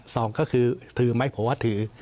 สองก็คือถือไหมเพราะว่าถือ